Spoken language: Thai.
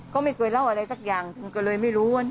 ก็ไม่เคยเล่าอะไรสักอย่างก็เลยไม่รู้ว่า